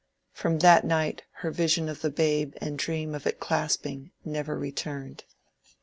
From that night her vision of the babe and dream of clasping it never returned.